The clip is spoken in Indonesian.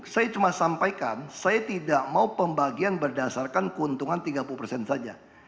saya cuma sampaikan saya tidak mau pembagian berdasarkan keuntungan tiga puluh persen saja